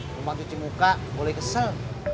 cuma cuci muka boleh kesel